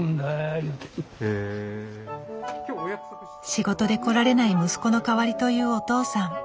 仕事で来られない息子の代わりというお父さん。